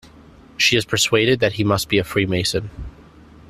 She is persuaded that he must be a Freemason.